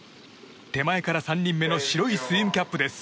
手前から３人目の白いスイムキャップです。